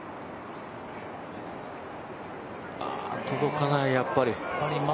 届かない、やっぱり。